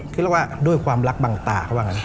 ที่เรียกว่าด้วยความรักบางตาเขาว่างั้น